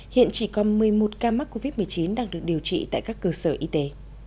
hiện chỉ còn một mươi một ca mắc covid một mươi chín đang được điều trị tại các cơ sở y tế